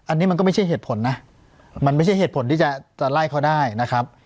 อันนี้มันก็ไม่ใช่เหตุผลนะมันไม่ใช่เหตุผลที่จะไล่เขาได้นะครับ